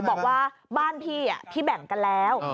บอกว่าบ้านพี่พี่แบ่งกันแล้ว